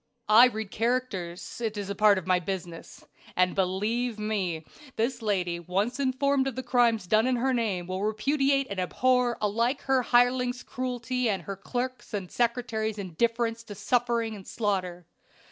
"I read characters; it is a part of my business; and, believe me, this lady once informed of the crimes done in her name will repudiate and abhor alike her hireling's cruelty and her clerks' and secretaries' indifference to suffering and slaughter.